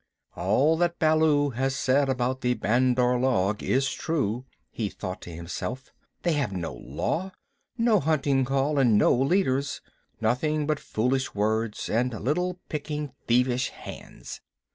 "All that Baloo has said about the Bandar log is true," he thought to himself. "They have no Law, no Hunting Call, and no leaders nothing but foolish words and little picking thievish hands.